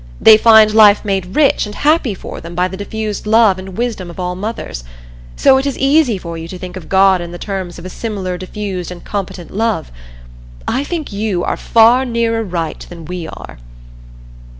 They find life made rich and happy for them by the diffused love and wisdom of all mothers. So it is easy for you to think of God in the terms of a similar diffused and competent love. I think you are far nearer right than we are."